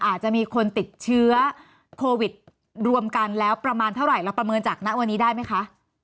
อาจจะมีคนติดเชื้อโควิดรวมกันแล้วประมาณเท่าไหร่เราประเมินจากณวันนี้ได้ไหมคะ